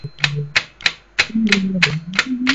然后我们一个晚上就把它弄坏了